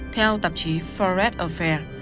theo tạp chí forrest affair